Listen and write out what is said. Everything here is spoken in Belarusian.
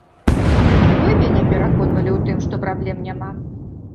Вы мяне пераконвалі ў тым, што праблем няма.